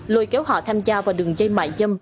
lôi kéo họ tham gia vào đường dây mại dâm